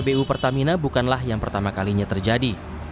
pbu pertamina bukanlah yang pertama kalinya terjadi